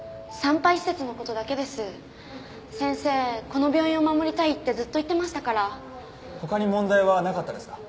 この病院を守りたいってずっと言ってましたからほかに問題はなかったですか？